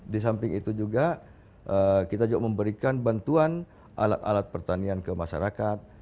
di samping itu juga kita juga memberikan bantuan alat alat pertanian ke masyarakat